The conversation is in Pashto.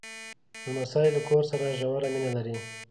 لمسی له کور سره ژوره مینه لري.